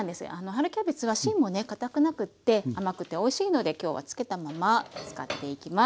春キャベツは芯もねかたくなくって甘くておいしいので今日は付けたまま使っていきます。